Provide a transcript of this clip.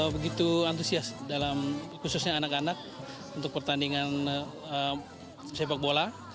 begitu antusias dalam khususnya anak anak untuk pertandingan sepak bola